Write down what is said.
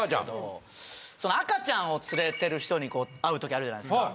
赤ちゃんを連れてる人にこう会うときあるじゃないですか。